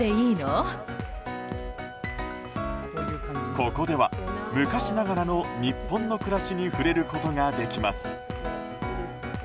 ここでは昔ながらの日本の暮らしに触れることができます。